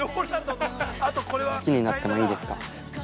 ◆好きになってもいいですか。